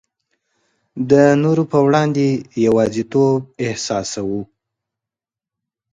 د نورو په وړاندي یوازیتوب احساسوو.